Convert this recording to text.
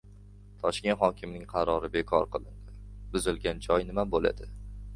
Toshkent hokimining qarori bekor qilindi. Buzilgan joy nima bo‘ladi?